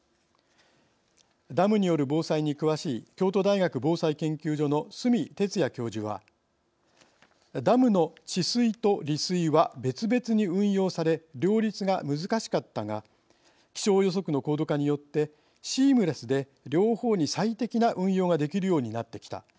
ダムによる防災に詳しい京都大学防災研究所の角哲也教授は「ダムの治水と利水は別々に運用され両立が難しかったが気象予測の高度化によってシームレスで両方に最適な運用ができるようになってきた。